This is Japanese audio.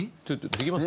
できます？